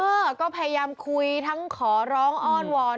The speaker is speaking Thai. เออก็พยายามคุยทั้งขอร้องอ้อนวอน